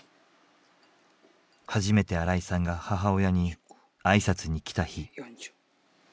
初めて荒井さんが母親に挨拶に来た日。